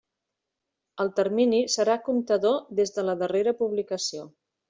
El termini serà comptador des de la darrera publicació.